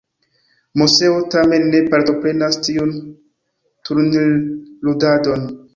Moseo tamen ne partoprenas tiun turnirludadon.